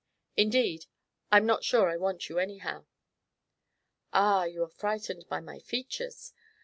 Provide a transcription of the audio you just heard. Indeed, I'm not sure I want you, anyhow." "Ah; you're frightened by my features.